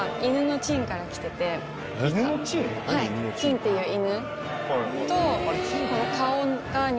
狆っていう犬と。